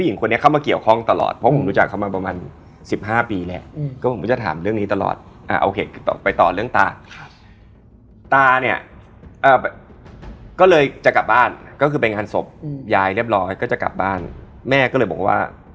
ยังไงเรากลับไม่ได้อยู่แล้ว